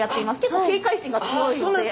結構警戒心が強いので。